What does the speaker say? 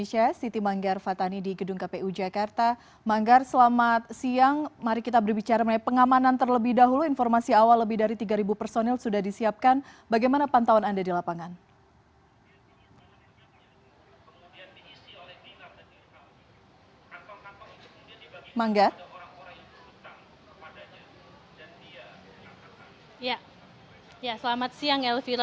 ya selamat siang elvira